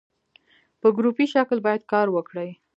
په ګروپي شکل باید کار وکړي.